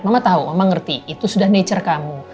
mama tahu mama ngerti itu sudah nature kamu